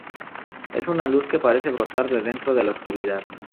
Es una luz que parece brotar de dentro de la oscuridad.